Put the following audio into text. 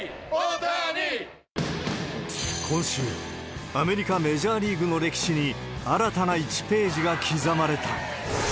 今週、アメリカメジャーリーグの歴史に新たな一ページが刻まれた。